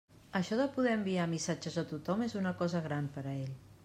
Això de poder enviar missatges a tothom és una cosa gran per a ell.